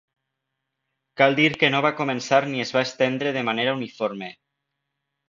Cal dir que no va començar ni es va estendre de manera uniforme.